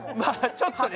ちょっとね。